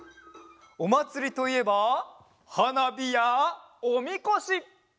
おまつりといえばはなびやおみこし！